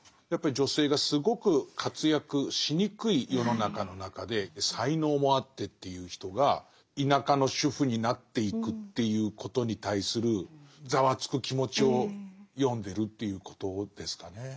やっぱり女性がすごく活躍しにくい世の中の中で才能もあってという人が田舎の主婦になっていくっていうことに対するざわつく気持ちを詠んでるということですかね。